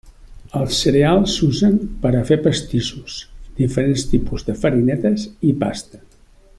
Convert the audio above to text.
Els cereals s'usen per a fer pastissos, diferents tipus de farinetes i pasta.